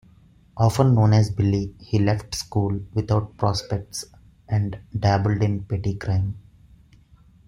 Often known as Billy, he left school without prospects and dabbled in petty crime.